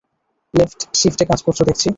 Late শিফটে কাজ করছ দেখছি!